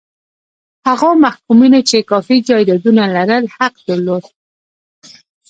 هغو محکومینو چې کافي جایدادونه لرل حق درلود.